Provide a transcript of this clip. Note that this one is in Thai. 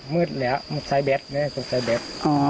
มืดแล้วใส่แบ๊ดนะครับใส่แบ๊ด